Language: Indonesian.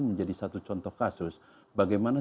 menjadi satu contoh kasus bagaimana